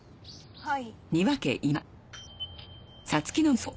はい。